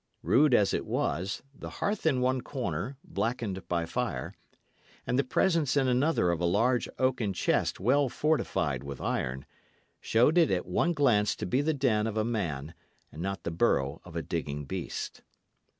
Rude as it was, the hearth in one corner, blackened by fire, and the presence in another of a large oaken chest well fortified with iron, showed it at one glance to be the den of a man, and not the burrow of a digging beast.